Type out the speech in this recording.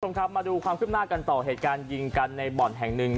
คุณผู้ชมครับมาดูความขึ้นหน้ากันต่อเหตุการณ์ยิงกันในบ่อนแห่งหนึ่ง